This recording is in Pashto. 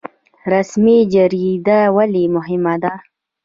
رسمي جریده ولې مهمه ده؟